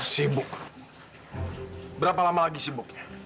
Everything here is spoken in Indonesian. sibuk berapa lama lagi sibuk